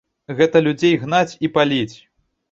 Гэта людзей гнаць і паліць!